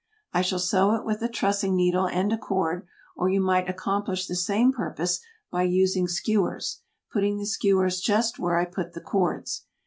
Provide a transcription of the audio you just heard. I shall sew it with a trussing needle and a cord, or you might accomplish the same purpose, by using skewers, putting the skewers just where I put the cords.